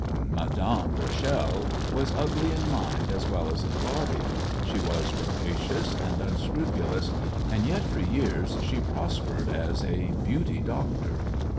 Madame Rachel was ugly in mind as well as in body; she was rapacious and unscrupulous, and yet for years she prospered as a "beauty doctor."